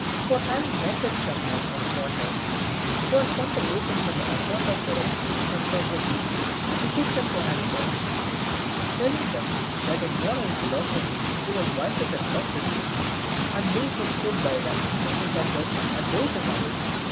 For having met with some young men of Pontus, who had come to Athens, on account of the reputation of Socrates, he took them to Anytus, telling them, that in moral philosophy he was wiser than Socrates ; and they who stood by were indignant at this, and drove him away.